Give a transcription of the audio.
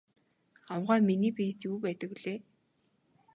Авгай миний биед юу байдаг билээ?